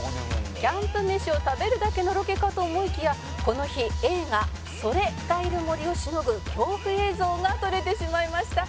「キャンプ飯を食べるだけのロケかと思いきやこの日映画『“それ”がいる森』をしのぐ恐怖映像が撮れてしまいました」